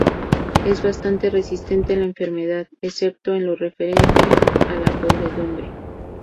Es bastante resistente a la enfermedad, excepto en lo referente a la podredumbre.